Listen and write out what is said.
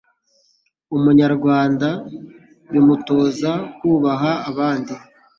Umunyarwanda bimutoza kubaha abandi,